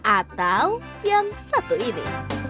atau yang satu ini